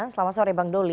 selamat sore bang doli